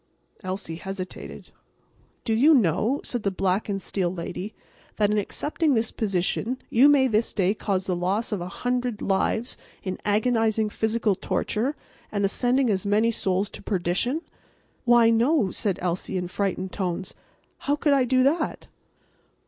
Elsie hesitated. "Do you know," said the black and steel lady, "that in accepting this position you may this day cause the loss of a hundred lives in agonizing physical torture and the sending as many souls to perdition?" "Why, no," said Elsie, in frightened tones. "How could I do that?"